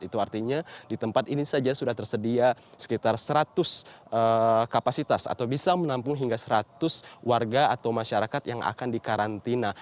itu artinya di tempat ini saja sudah tersedia sekitar seratus kapasitas atau bisa menampung hingga seratus warga atau masyarakat yang akan dikarantina